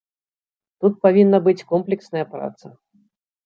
Тут павінна быць комплексная праца.